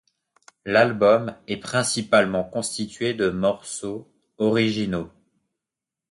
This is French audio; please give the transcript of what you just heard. L'album est principalement constitué de morceaux originaux.